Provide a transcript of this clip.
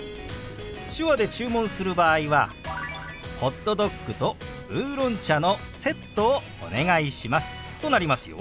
手話で注文する場合は「ホットドッグとウーロン茶のセットをお願いします」となりますよ。